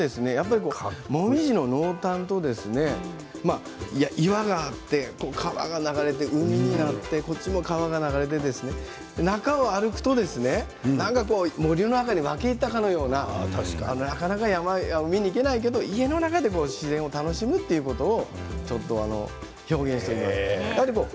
ポイントはもみじの濃淡と岩があって川が流れて海になってこちらにも川が流れていて中を歩くと森の中に入って行ったかのようななかなか山を見に行けないけれども家の中で自然を楽しむというのを表現しています。